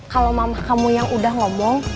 kalau mama kamu yang udah ngomong